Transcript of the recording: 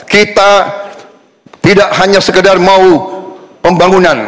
kita tidak hanya sekedar mau pembangunan